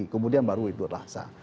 kemudian baru itu terasa